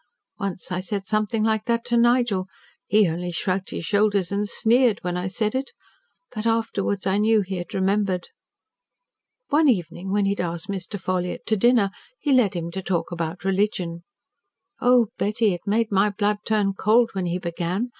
Once I said something like that to Nigel. He only shrugged his shoulders and sneered when I said it. But afterwards I knew he had remembered. One evening, when he had asked Mr. Ffolliott to dinner, he led him to talk about religion. Oh, Betty! It made my blood turn cold when he began.